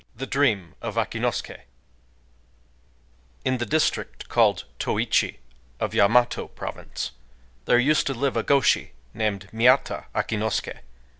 THE DREAM OF AKINOSUKÉ In the district called Toïchi of Yamato Province, (1) there used to live a gōshi named Miyata Akinosuké...